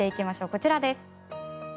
こちらです。